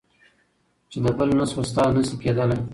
چي د بل نه سوه. ستا نه سي کېدلی.